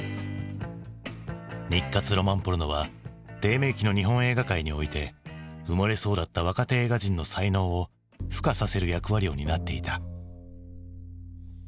日活ロマンポルノは低迷期の日本映画界において埋もれそうだった若手映画人の才能をふ化させる役割を担っていた。